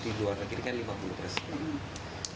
di luar negeri kan lima puluh persen